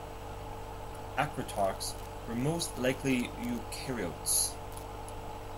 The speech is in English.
Acritarchs were most likely eukaryotes.